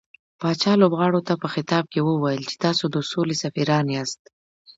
پاچا لوبغاړو ته په خطاب کې وويل چې تاسو د سولې سفيران ياست .